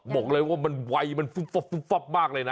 บอกเลยว่ามันไวมันฟุบมากเลยนะ